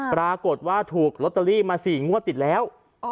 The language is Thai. ปรากฏว่าถูกลอตเตอรี่มา๔งวดติดแล้ว